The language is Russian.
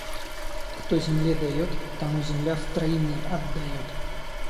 Кто земле дает, тому земля втройне отдает